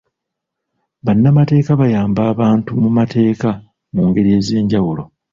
Bannamateeka bayamba abantu mu mateeka mu ngeri ez'enjawulo.